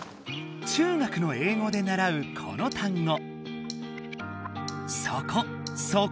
中学の英語でならうこの単語。